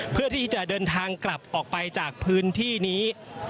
เพื่อที่จะเดินทางกลับออกไปจากพื้นที่นี้